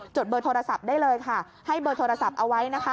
จดเบอร์โทรศัพท์ได้เลยให้เบอร์โทรศัพท์เอาไว้